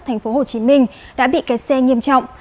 thành phố hồ chí minh đã bị kẹt xe nghiêm trọng